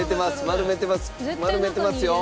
丸めてますよ。